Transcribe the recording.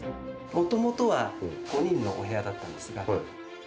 もともとは５人のお部屋だったんですが。